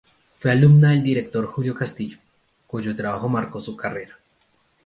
Fue alumna del director Julio Castillo, cuyo trabajo marcó su carrera.